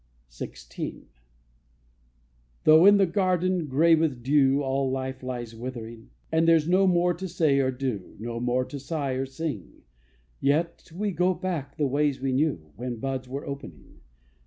XVI. 'Though in the garden, gray with dew, All life lies withering, And there's no more to say or do, No more to sigh or sing, Yet go we back the ways we knew, When buds were opening.